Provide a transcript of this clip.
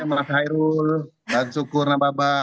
selamat sore mas hairul dan sukur nama nama